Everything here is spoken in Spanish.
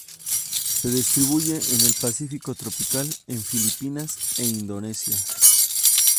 Se distribuye en el Pacífico tropical, en Filipinas e Indonesia.